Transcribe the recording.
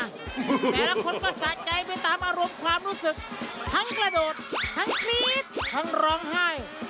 แต่ละคนก็สะใจไปตามอารมณ์ความรู้สึกทั้งกระโดดทั้งกรี๊ดทั้งร้องไห้